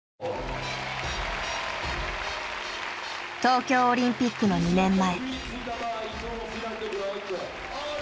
東京オリンピックの２年前。